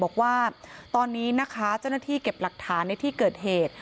บอกว่าตอนนี้นะคะเจ้าหน้าที่เก็บหลักฐานในที่เกิดเหตุ